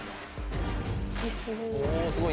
・すごい。